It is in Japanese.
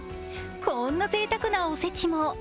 こんなぜいたくなおせちも。